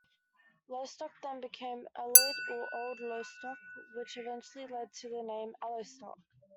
Lostock then became 'Auld' or 'Old Lostock' which eventually lead to the name Allostock.